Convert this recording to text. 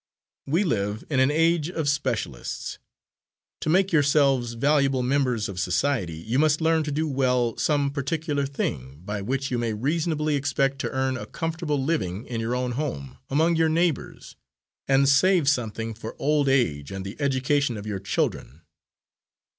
We live in an age of specialists. To make yourselves valuable members of society, you must learn to do well some particular thing, by which you may reasonably expect to earn a comfortable living in your own home, among your neighbours, and save something for old age and the education of your children.